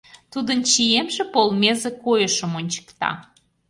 Тудын чиемже полмезе койышым ончыкта.